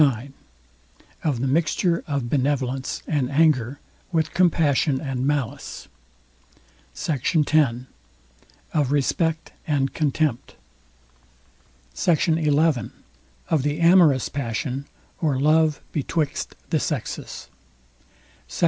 IX OF THE MIXTURE OF BENEVOLENCE AND ANGER WITH COMPASSION AND MALICE SECT. X OF RESPECT AND CONTEMPT SECT. XI OF THE AMOROUS PASSION, OR LOVE BETWIXT THE SEXES SECT.